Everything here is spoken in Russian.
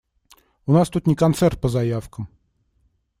У нас тут не концерт по заявкам.